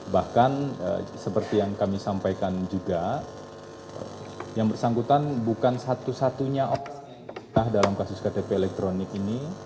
bahkan seperti yang kami sampaikan juga yang bersangkutan bukan satu satunya opsi dalam kasus ktp elektronik ini